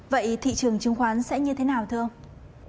vậy thị trường chứng khoán sẽ như thế nào thưa ông